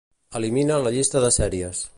Elimina la llista de sèries.